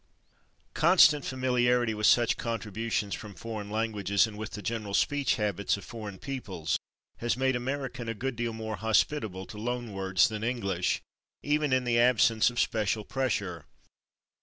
Constant familiarity with such contributions from foreign languages and with the general speech habits of foreign peoples has made American a good deal more hospitable to loan words than English, even in the absence of special pressure.